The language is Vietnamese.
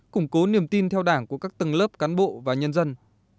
củng cố niềm tin theo đảng của các tầng lớp cán bộ và nhân dân